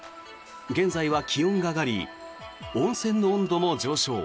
現在は気温が上がり温泉の温度も上昇。